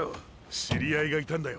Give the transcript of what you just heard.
知りあいがいたんだよ